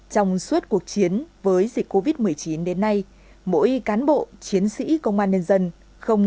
trong suốt cuộc chiến với dịch covid một mươi chín đến nay mỗi cán bộ chiến sĩ công an nhân dân không